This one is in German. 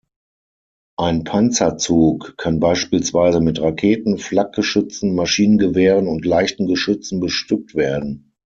Ein Panzerzug kann beispielsweise mit Raketen, Flakgeschützen, Maschinengewehren und leichten Geschützen bestückt werden.